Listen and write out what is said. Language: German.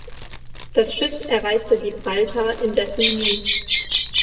Das Schiff erreichte Gibraltar indessen nie.